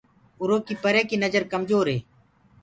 اُرو ڪي پري ڪي نجر ڪمجور هي۔